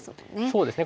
そうですね。